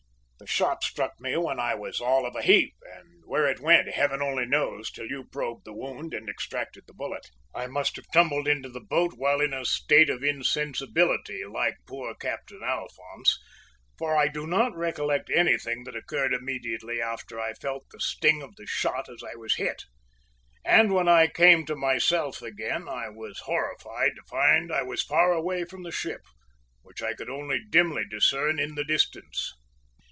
The shot struck me when I was all of a heap, and where it went heaven only knows, till you probed the wound and extracted the bullet. "I must have tumbled into the boat while in a state of insensibility, like poor Captain Alphonse, for I do not recollect anything that occurred immediately after I felt the sting of the shot as I was hit, and when I came to myself again I was horrified to find I was far away from the ship, which I could only dimly discern in the distance.